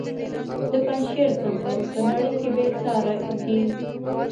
د پنجشیر زمرد په نړۍ کې بې ساري دي